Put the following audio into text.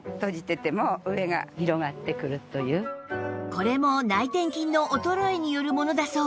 これも内転筋の衰えによるものだそう